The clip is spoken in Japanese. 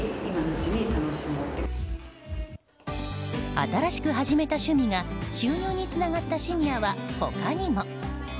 新しく始めた趣味が収入につながったシニアは他にも。